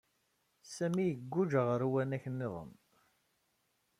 Sami iguǧǧ ɣer uwanak niḍen.